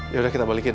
yaudah kita balikin